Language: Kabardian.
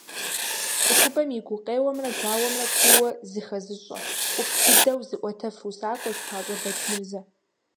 ЦӀыхубэм и гукъеуэмрэ гуауэмрэ куууэ зыхэзыщӀэ, ӀупщӀ дыдэу зыӀуэтэф усакӀуэщ ПащӀэ Бэчмырзэ.